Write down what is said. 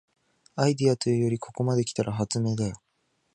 アイデアというよりここまで来たら発明だよ